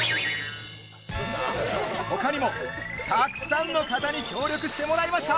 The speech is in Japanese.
ほかにも、たくさんの方に協力してもらいました。